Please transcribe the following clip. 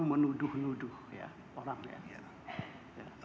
menuduh nuduh ya orangnya